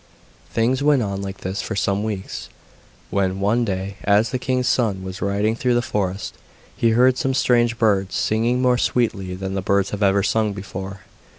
Things went on like this for some weeks, when, one day, as the king's son was riding through the forest, he heard some strange birds singing more sweetly than birds had ever sung before.